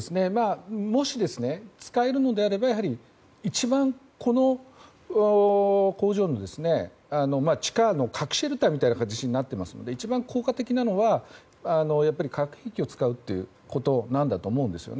もし、使えるのであればこの工場は地下の核シェルターみたいな形になっていますので一番効果的なのはやっぱり化学兵器を使うことだと思うんです。